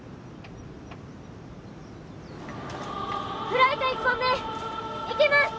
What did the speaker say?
フライト１本目いきます！